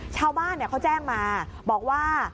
ชาวบ้านเขาแจ้งมาบอกว่า